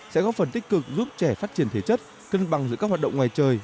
sẽ góp phần tích cực giúp trẻ phát triển thể chất cân bằng giữa các hoạt động ngoài trời